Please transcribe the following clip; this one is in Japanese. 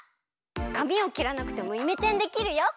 かみをきらなくてもイメチェンできるよ。